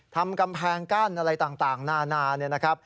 ทำกำแพงกั้นอะไรต่างหน้านาน